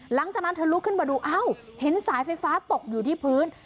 หลังจากนั้นเธอลุกขึ้นมาดูอ้าวเห็นสายไฟฟ้าตกอยู่ที่พื้น